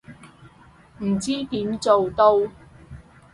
唔知點做到